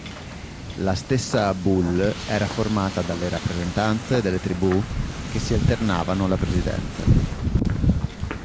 La stessa Boulé era formata dalle rappresentanze delle tribù, che si alternavano alla presidenza.